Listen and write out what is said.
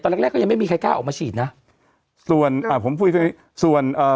แรกแรกก็ยังไม่มีใครกล้าออกมาฉีดนะส่วนอ่าผมคุยกันส่วนเอ่อ